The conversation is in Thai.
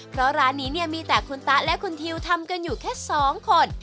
เพราะร้านนี้เนี่ยมีแต่คุณตะและคุณทิวทำกันอยู่แค่๒คน